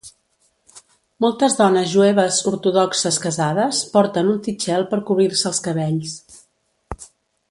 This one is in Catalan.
Moltes dones jueves ortodoxes casades porten un tichel per cobrir-se els cabells.